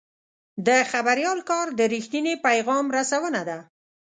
د خبریال کار د رښتیني پیغام رسونه ده.